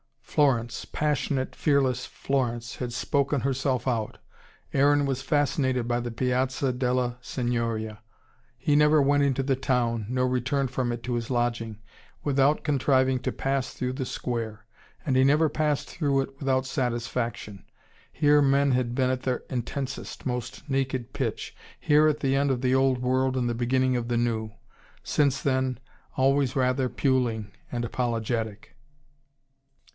Florence, passionate, fearless Florence had spoken herself out. Aaron was fascinated by the Piazza della Signoria. He never went into the town, nor returned from it to his lodging, without contriving to pass through the square. And he never passed through it without satisfaction. Here men had been at their intensest, most naked pitch, here, at the end of the old world and the beginning of the new. Since then, always rather puling and apologetic.